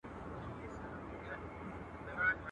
چي نه زر لرې نه مال وي نه آسونه..